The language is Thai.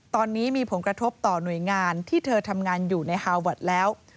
ตอนนี้มีผลกระทบต่อหน่วยงานที่เธอทำงานอยู่ในฮาเวิร์ดแล้ว